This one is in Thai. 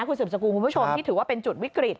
คุณสืบสกุลคุณผู้ชมที่ถือว่าเป็นจุดวิกฤต